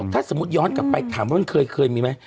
ถ้าสมมุติย้อนกลับไปถามว่ามันเคยมีไหม